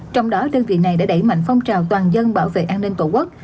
trong đó đơn vị này đã đẩy mạnh phong trào toàn dân bảo vệ an ninh tổ quốc